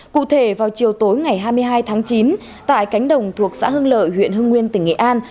cụ thể vào chiều tối ngày hai mươi hai tháng chín tại cánh đồng thuộc xã hưng lợi huyện hưng nguyên tỉnh nghệ an